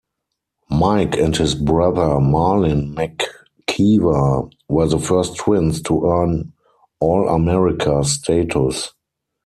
Mike and his brother Marlin McKeever were the first twins to earn All-America status.